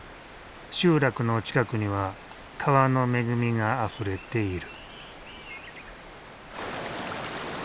集落の近くには川の恵みがあふれている。